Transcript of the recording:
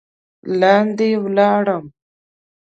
لاندې ولاړم.